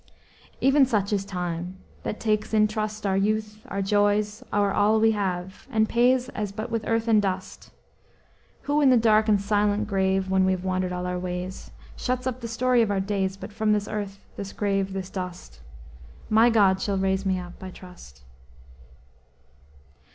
"Even such is Time, that takes in trust, Our youth, our joys, our all we have, And pays as but with earth and dust; Who in the dark and silent grave, When we have wandered all our ways, Shuts up the story of our days; But from this earth, this grave, this dust, My God shall raise me up, I trust!"